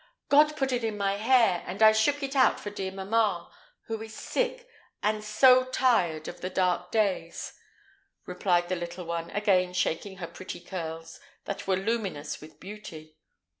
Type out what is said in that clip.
"God put it in my hair, and I shook it out for dear mamma, who is sick, and so tired of the dark days," replied the little one, again shaking her pretty curls, that were luminous with beauty.